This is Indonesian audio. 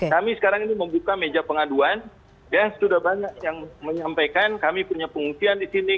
kami sekarang ini membuka meja pengaduan dan sudah banyak yang menyampaikan kami punya pengungsian di sini